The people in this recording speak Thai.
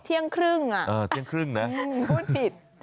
เที่ยงครึ่งอะพูดผิด